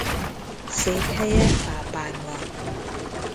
Székhelye Pápán van.